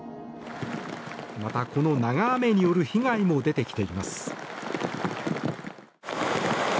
また、この長雨による被害も出てきています。